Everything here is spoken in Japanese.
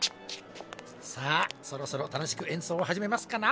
さあそろそろ楽しくえんそうをはじめますかな。